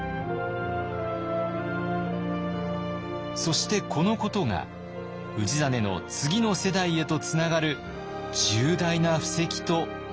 そしてこのことが氏真の次の世代へとつながる重大な布石となっていきます。